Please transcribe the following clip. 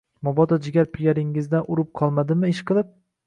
Mabodo jigar-pigaringizdan urib qolmadimi ishqilib